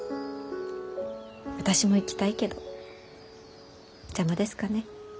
私も行きたいけど邪魔ですかね。